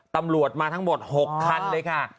ตำรวจมาทั้งหมด๖คันเลยค่ะ